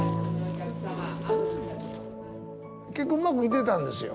結構うまくいってたんですよ。